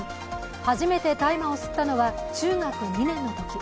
初めて大麻を吸ったのは、中学２年のとき。